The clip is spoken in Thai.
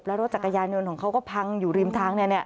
แล้วรถจักรยานยนต์ของเขาก็พังอยู่ริมทางเนี่ยเนี่ย